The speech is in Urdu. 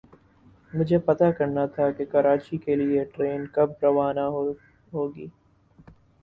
مجھے پتا کرنا تھا کے کراچی کےلیے ٹرین کب روانہ ہو گی۔